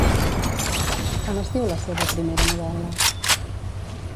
Com es diu la seva primera novel·la?